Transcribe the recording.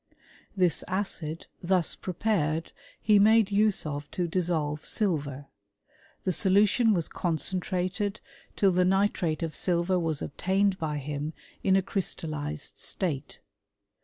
This acid, thus prepared, he made use of to dissolve silver : the solution was concentrated till the nitrate of silver was obtained by him in a crystallized state.